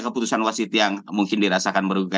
keputusan wasit yang mungkin dirasakan